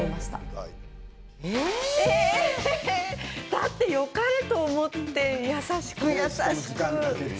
だって、よかれと思って優しく優しく。